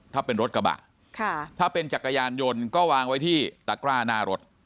ถ้าเป็นรถกระบะถ้าเป็นจักรยานยนต์ก็วางไว้ที่ตะกร้าหน้ารถ